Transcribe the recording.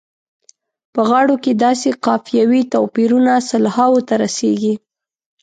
په غاړو کې داسې قافیوي توپیرونه سلهاوو ته رسیږي.